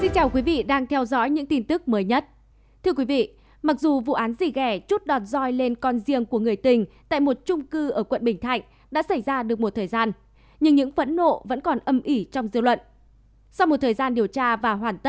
các bạn hãy đăng ký kênh để ủng hộ kênh của chúng mình nhé